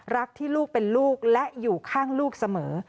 รักที่ลูกเป็นลูกและอยู่ข้างลูกเสมอ